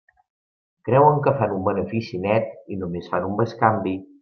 Creuen que fan un benefici net, i només fan un bescanvi.